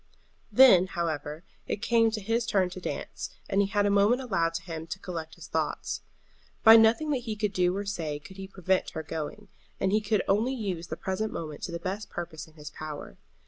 Then, however, it came to his turn to dance, and he had a moment allowed to him to collect his thoughts. By nothing that he could do or say could he prevent her going, and he could only use the present moment to the best purpose in his power.